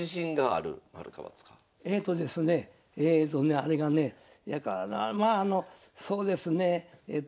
あれがねまああのそうですねえと。